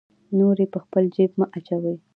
نورې په خپل جیب مه اچوه.